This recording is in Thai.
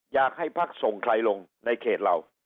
อยากให้พักส่งใครลงในเขตเรา